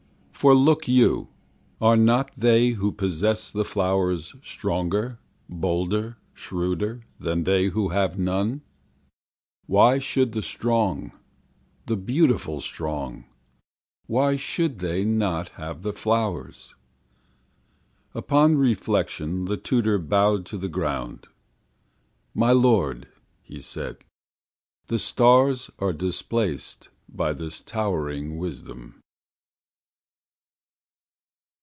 For, look you, Are not they who possess the flowers Stronger, bolder, shrewder Than they who have none? Why should the strong The beautiful strong Why should they not have the flowers?" Upon reflection, the tutor bowed to the ground, "My lord," he said, "The stars are displaced By this towering wisdom."